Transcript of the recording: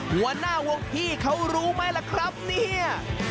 หัวหน้าวงพี่เขารู้ไหมล่ะครับเนี่ย